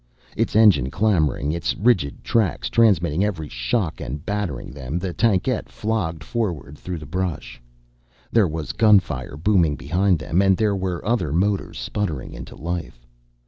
Its engine clamoring, its rigid tracks transmitting every shock and battering them, the tankette flogged forward through the brush. There was gunfire booming behind them, and there were other motors sputtering into life.